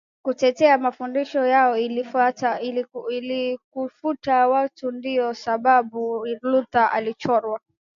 kutetea mafundisho yao ili kuvuta watu Ndiyo sababu Luther alichorwa